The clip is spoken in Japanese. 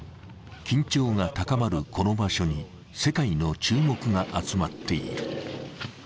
緊張が高まるこの場所に世界の注目が集まっている。